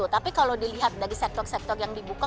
tapi kalau dilihat dari sektor sektor yang dibuka